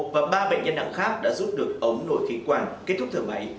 và ba bệnh nhân nặng khác đã giúp được ống nổi khí quản kết thúc thử mấy